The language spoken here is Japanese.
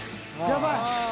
やばい。